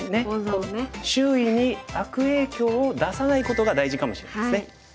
周囲に悪影響を出さないことが大事かもしれないですね。